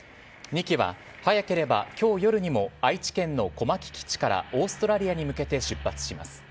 ２機は早ければ今日夜にも愛知県の小牧基地からオーストラリアに向けて出発します。